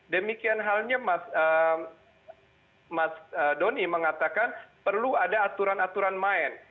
demikian halnya mas doni mengatakan perlu ada aturan aturan main